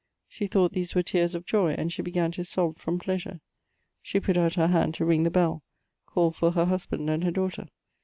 She thought these were tears of joy, and she began to sob from Eleasure. She put out her hand to ring the bell^ ^called lor er husband and her daughter.